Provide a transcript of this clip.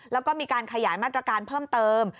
แล้วก็มีการขยายมาตรการเพิ่มเติม